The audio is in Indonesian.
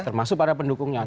termasuk para pendukungnya